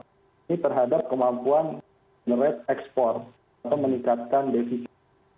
ini terhadap kemampuan merat ekspor atau meningkatkan defisit